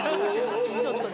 ちょっと